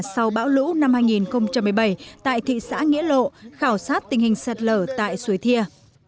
sau bão lũ năm hai nghìn một mươi bảy tại thị xã nghĩa lộ khảo sát tình hình sạt lở tại suối thia